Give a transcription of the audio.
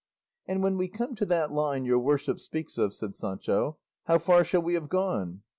"And when we come to that line your worship speaks of," said Sancho, "how far shall we have gone?"